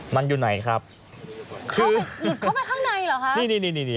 มันอยู่ไหนครับหลุดเข้าไปข้างในเหรอครับนี่นี่นี่นี่นี่